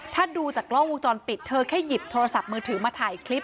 ถ้าดูจากกล้องวงจรปิดเธอแค่หยิบโทรศัพท์มือถือมาถ่ายคลิป